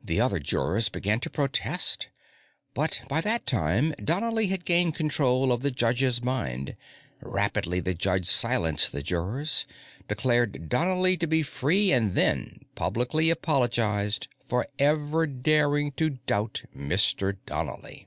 The other jurors began to protest, but by that time, Donnely had gained control of the judge's mind. Rapidly, the judge silenced the jurors, declared Donnely to be free, and then publicly apologized for ever daring to doubt Mr. Donnely.